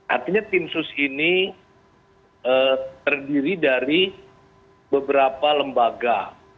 artinya tim sus ini terdiri dari beberapa lembaga